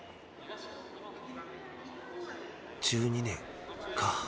１２年か。